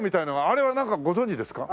あれはなんかご存じですか？